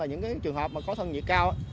những trường hợp có thân nhiệt cao